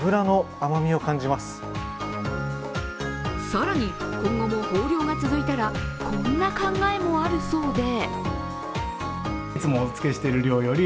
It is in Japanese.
更に、今後も豊漁が続いたらこんな考えもあるそうで